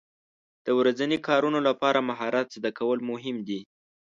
د ورځني کارونو لپاره مهارت زده کول مهم دي.